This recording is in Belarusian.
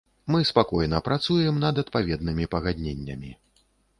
Мы спакойна працуем над адпаведнымі пагадненнямі.